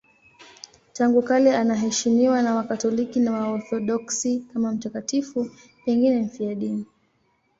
Tangu kale anaheshimiwa na Wakatoliki na Waorthodoksi kama mtakatifu, pengine mfiadini.